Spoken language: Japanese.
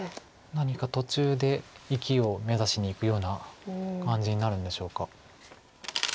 何か途中で生きを目指しにいくような感じになるんでしょうか。